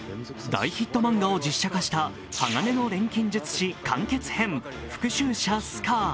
大ヒット漫画を実写化した「鋼の錬金術師完結編復讐者スカー」